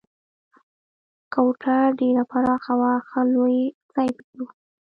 کوټه ډېره پراخه وه، ښه لوی ځای پکې و.